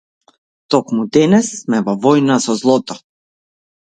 Токму денес сме во војна со злото!